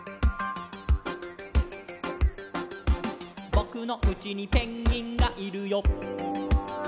「ぼくのうちにペンギンがいるよ」